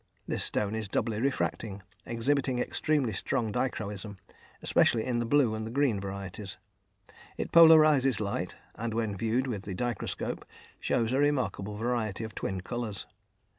This stone is doubly refracting, exhibiting extremely strong dichroism, especially in the blue and the green varieties. It polarises light, and when viewed with the dichroscope shows a remarkable variety of twin colours.